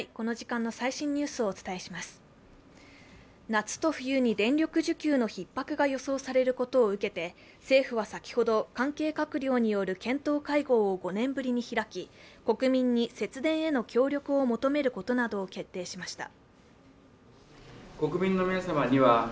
夏と冬に電力需給のひっ迫が予想されることを受けて政府は先ほど関係閣僚による検討会合を５年ぶりに開き、国民に節電への協力を求めることなどを決定しました。